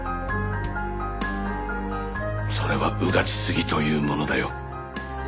それはうがちすぎというものだよ。